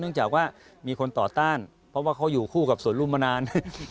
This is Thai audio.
จากว่ามีคนต่อต้านเพราะว่าเขาอยู่คู่กับสวนรุ่มมานาน